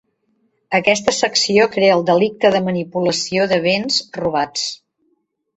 Aquesta secció crea el delicte de manipulació de béns robats.